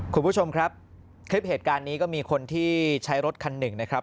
คุณผู้ชมครับคลิปเหตุการณ์นี้ก็มีคนที่ใช้รถคันหนึ่งนะครับ